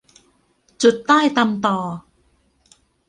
จุดไต้ตำตอ